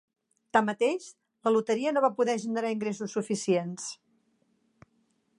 Tanmateix, la loteria no va poder generar ingressos suficients.